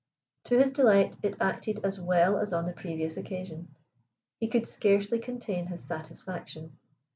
To his delight it acted as well as on the previous occasion. He could scarcely contain his satisfaction.